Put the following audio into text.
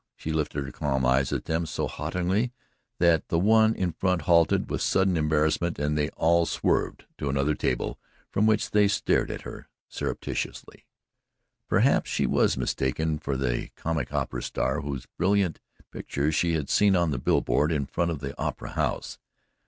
She lifted her calm eyes at them so haughtily that the one in front halted with sudden embarrassment and they all swerved to another table from which they stared at her surreptitiously. Perhaps she was mistaken for the comic opera star whose brilliant picture she had seen on a bill board in front of the "opera house."